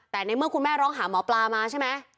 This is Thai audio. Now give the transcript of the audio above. แต่ในเมื่อคุณแม่ร้องหาหมอปลามาใช่ไหม